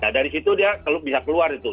dari situ dia bisa keluar itu